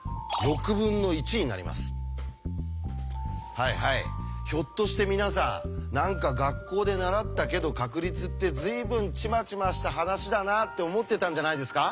はいはいひょっとして皆さん何か学校で習ったけど確率って随分ちまちました話だなって思ってたんじゃないですか？